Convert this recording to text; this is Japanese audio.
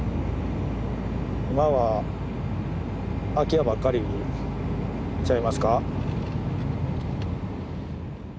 今は空き家ばっかりちゃいますか。